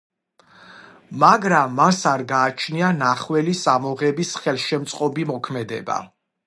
მაგრამ მას არ გააჩნია ნახველის ამოღების ხელშემწყობი მოქმედება.